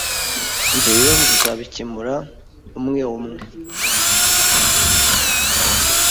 Ibyo bibazo tuzabikemura umwe umwe.